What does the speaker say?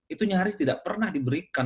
itu nyaris tidak pernah diberikan